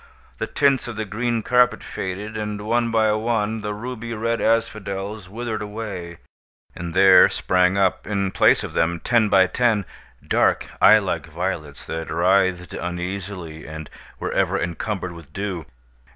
The tints of the green carpet faded; and, one by one, the ruby red asphodels withered away; and there sprang up, in place of them, ten by ten, dark, eye like violets, that writhed uneasily and were ever encumbered with dew.